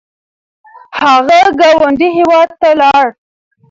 هغه ګاونډي هیواد ته لاړ